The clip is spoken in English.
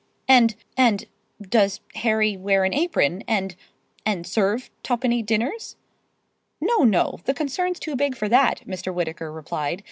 "And—and—does Harry wear an apron—and—and serve twopenny dinners?" "No, no! The concern's too big for that," Mr. Whittaker replied.